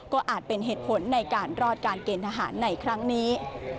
ก็อาจเป็นเหตุผลในการรอดการเกณฑ์ทหารในครั้งนี้